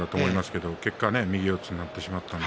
結果右四つになってしまいました。